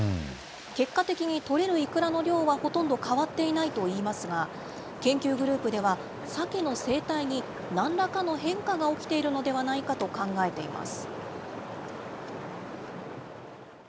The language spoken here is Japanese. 結果的に採れるイクラの量はほとんど変わっていないといいますが、研究グループでは、サケの生態になんらかの変化が起きているのではないかと考えています。